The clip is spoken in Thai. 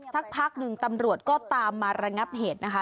สักพักหนึ่งตำรวจก็ตามมาระงับเหตุนะคะ